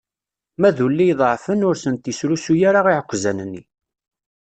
Ma d ulli iḍeɛfen, ur sent-isrusu ara iɛekkzan-nni.